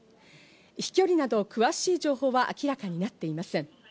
飛距離など詳しい情報は明らかになっていません。